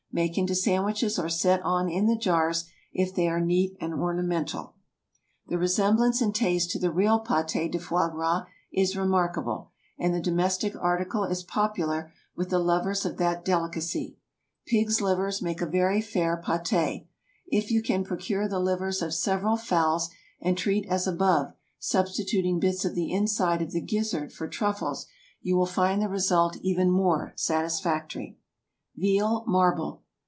Make into sandwiches, or set on in the jars, if they are neat and ornamental. The resemblance in taste to the real pâté de foie gras is remarkable, and the domestic article is popular with the lovers of that delicacy. Pigs' livers make a very fair pâté. If you can procure the livers of several fowls and treat as above, substituting bits of the inside of the gizzard for truffles, you will find the result even more satisfactory. VEAL MARBLE.